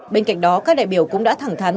bên cạnh đó các đại biểu cũng đã thẳng thắn